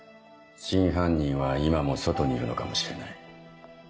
真犯人は今も外にいるのかもしれない。